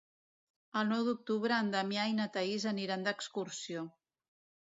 El nou d'octubre en Damià i na Thaís aniran d'excursió.